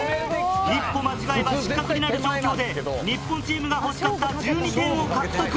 一歩間違えば失格になる状況で日本チームが欲しかった１２点を獲得。